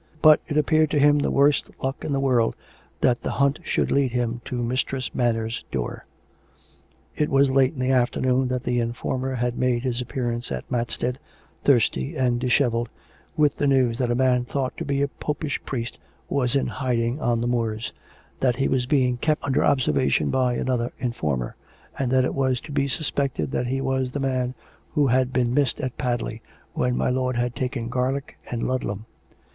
... But it appeared to him the worst luck in the world tliat the hunt should lead him to Mistress Manners' door. It was late in the afternoon that the informer had made his appearance at Matstead, thirsty and dishevelled, with the news that a man thought to be a Popish priest was in hiding on the moors; that he was being kept under obser COME RACK! COME ROPE! 419 vation by another informer; and that it was to be suspected that he was the man who had been missed at Padley when my lord had taken Garliek and Ludlam.